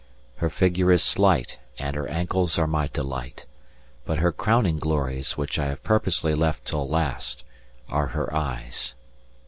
Her figure is slight and her ankles are my delight, but her crowning glories, which I have purposely left till last, are her eyes.